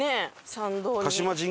参道に。